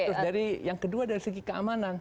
terus dari yang kedua dari segi keamanan